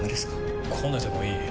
こねてもいい。